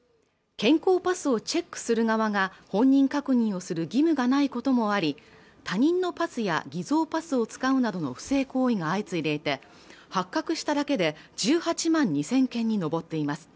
健康パスをチェックする側が本人確認をする義務がないこともあり他人のパスや偽造パスを使うなどの不正行為が相次いでいて発覚しただけで１８万２０００件に上っています